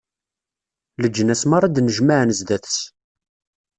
Leǧnas meṛṛa ad d-nnejmaɛen zdat-s.